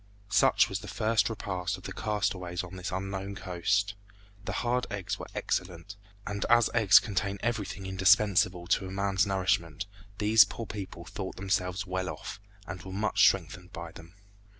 Such was the first repast of the castaways on this unknown coast. The hard eggs were excellent, and as eggs contain everything indispensable to man's nourishment, these poor people thought themselves well off, and were much strengthened by them.